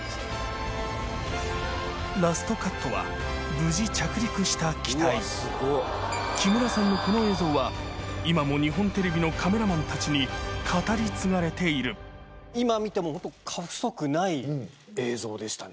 ラストカットは無事着陸した機体木村さんのこの映像は日本テレビのカメラマンたちに今見てもホント過不足ない映像でしたね。